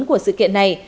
của sự kiện này